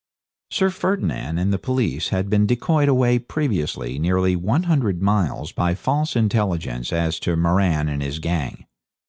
Sir Ferdinand and the police had been decoyed away previously nearly 100 miles by false intelligence as to Moran and his gang.